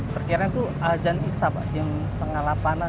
kira kira itu ajan isap jam setengah lapanan